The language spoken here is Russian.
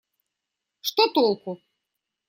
Что толку?..